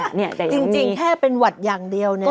จริงแค่เป็นหวัดอย่างเดียวเนี่ย